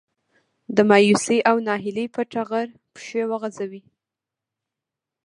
د مايوسي او ناهيلي په ټغر پښې وغځوي.